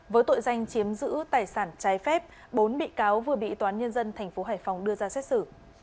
với tội danh chiếm giữ tài sản trái phép bốn bị cáo vừa bị toán nhân dân tp hải phòng đưa ra xét xử